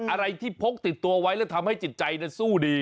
อะไรที่พกติดตัวไว้แล้วทำให้จิตใจสู้ดี